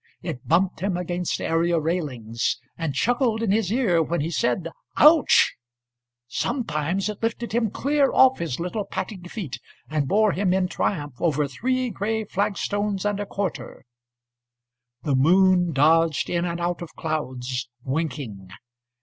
It bumped him against area railings, And chuckled in his ear when he said âOuch!âSometimes it lifted him clear off his little patting feetAnd bore him in triumph over three grey flagstones and a quarter. The moon dodged in and out of clouds, winking.